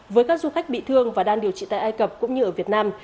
với các du khách bị thương và đang điều trị tại ai cập cũng như ở việt nam